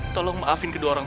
tolong maafin kedua orang